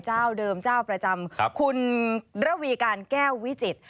เจ้าเดิมเจ้าประจำคุณระวีการแก้ววิจิตร